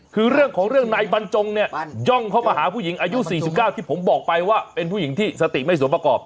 คือเรื่องของเรื่องนายบรรจงเนี่ยย่องเข้ามาหาผู้หญิงอายุ๔๙ที่ผมบอกไปว่าเป็นผู้หญิงที่สติไม่สมประกอบ